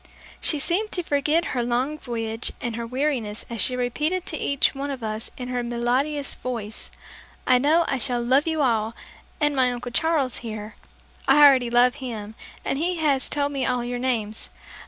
She seemed to forget her long voyage and her weariness as she repeated to each one of us in her melodious voice, "I know I shall love you all, and my Uncle Charles here. I already love him, and he has told me all your names.